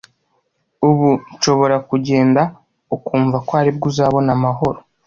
Ubu nshobora kugenda ukumva ko aribwo uzabona amahoro